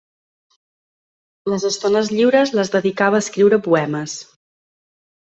Les estones lliures les dedicava a escriure poemes.